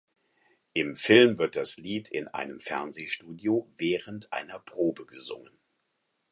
Im Film wird das Lied in einem Fernsehstudio während einer Probe gesungen.